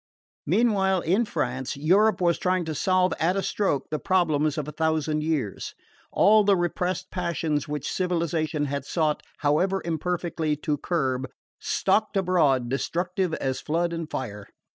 Meanwhile, in France, Europe was trying to solve at a stroke the problems of a thousand years. All the repressed passions which civilisation had sought, however imperfectly, to curb, stalked abroad destructive as flood and fire.